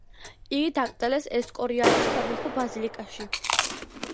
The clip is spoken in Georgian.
იგი დაკრძალეს ესკორიალის სამეფო ბაზილიკაში.